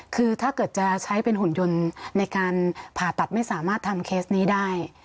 คือถ้าเกิดจะใช้เป็นหุ่นยนต์ในการผ่าตัดไม่สามารถทำเคสนี้ได้